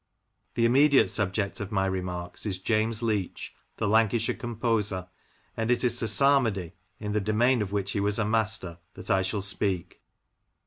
The immediate subject of my remarks is James Leach, the Lancashire composer, and it is to psalmody, in the domain of which he was a master, that I shall speak.